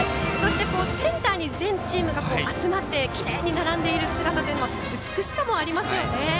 センターに、全チームが集まっている姿に美しさもありますよね。